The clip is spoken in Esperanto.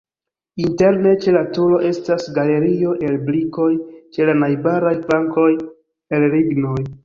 Interne ĉe la turo estas galerio el brikoj, ĉe la najbaraj flankoj el lignoj.